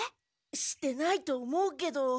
してないと思うけど。